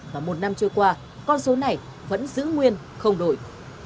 và một năm trôi qua con số này vẫn giữ nguyên không đổi